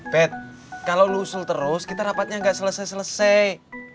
bet kalo lo usul terus kita rapatnya gak selesai selesai